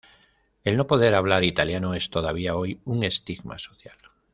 El no poder hablar italiano es todavía hoy un estigma social.